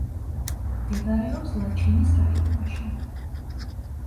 მდებარეობს ლაჩინის რაიონში.